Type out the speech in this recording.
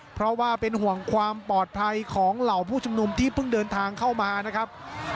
เพราะว่าเป็นห่วงความปลอดภัยของเหล่าผู้ชุมนุมที่เพิ่งเดินทางเข้ามานะครับ